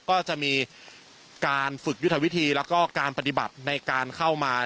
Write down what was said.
ก็จะมีการฝึกยุทธวิธีแล้วก็การปฏิบัติในการเข้ามา